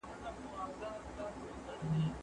زه وزګار نه یم د هر سړي حساب ته